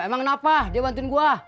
emang kenapa dia bantuin gue